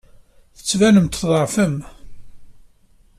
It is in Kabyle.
Tettbanem-d tḍeɛfem.